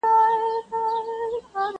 په ګردش کي زما د عمر فیصلې دي